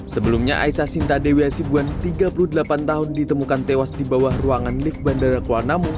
sebelumnya aisyah sinta dewi hasibuan tiga puluh delapan tahun ditemukan tewas di bawah ruangan lift bandara kuala namu